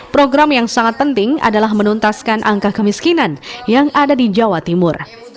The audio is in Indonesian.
program yang sangat penting adalah menuntaskan angka kemiskinan yang ada di jawa timur